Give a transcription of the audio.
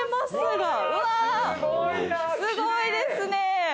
すごいですね。